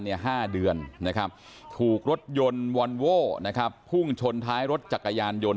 ทุกคัน๕เดือนถูกรถยนต์วอนโว่พุ่งชนท้ายรถจักรยานยนต์